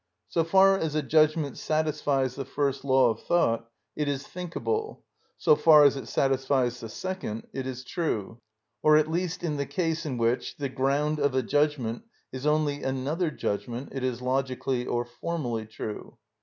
So far as a judgment satisfies the first law of thought, it is thinkable; so far as it satisfies the second, it is true, or at least in the case in which the ground of a judgment is only another judgment it is logically or formally true.